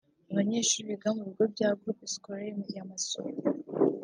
Abanyeshuri biga mu bigo bya Groupe scolaire ya Masoro